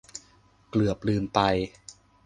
เกือบลืมไป